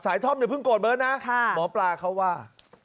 ท่อมอย่าเพิ่งโกรธเบิร์ตนะหมอปลาเขาว่า